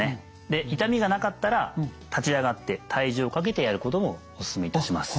で痛みがなかったら立ち上がって体重をかけてやることもお勧めいたします。